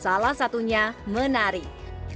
salah satunya menarik